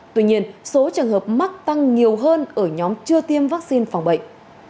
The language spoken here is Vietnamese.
tuy nhiên số trường hợp mắc tăng nhiều hơn ở nhóm chưa tiêm vaccine phòng bệnh